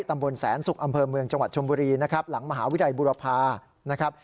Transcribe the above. ตำบลแสนสุขอำเภอเมืองจังหวัดชมบุรีหลังมหาวิทยาลัยบุรพา